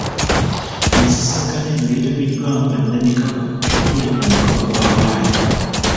Ensisinkano eno yeetabiddwamu bannamikago okuli omukago gwa Bulaaya.